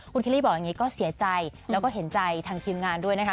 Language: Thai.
คุณคิลลี่บอกอย่างนี้ก็เสียใจแล้วก็เห็นใจทางทีมงานด้วยนะคะ